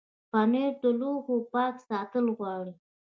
پنېر د لوښو پاک ساتل غواړي.